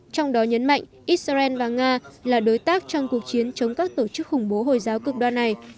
trong đó nhấn mạnh israel và nga là đối tác trong cuộc chiến chống các tổ chức khủng bố hồi giáo cực đoan này